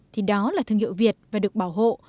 thì đó là thương hiệu việt và được bảo hộ